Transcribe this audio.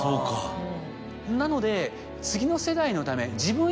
なので。